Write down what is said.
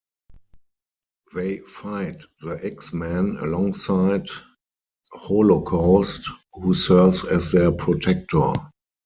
They fight the X-Men alongside Holocaust who serves as their protector.